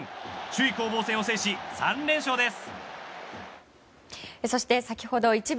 首位攻防戦を制し３連勝です。